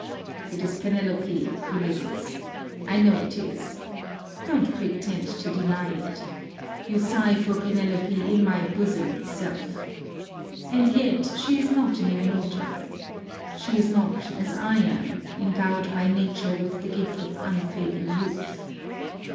It is Penelope, Ulysses, I know it is. Don't pretend to deny it. You sigh for Penelope in my bosom itself. And yet she is not an immortal. She is not, as I am, endowed by Nature with the gift of unfading youth.